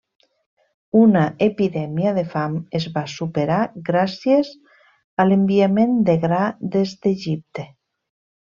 Una epidèmia de fam es va superar gràcies a l'enviament de gra des d'Egipte.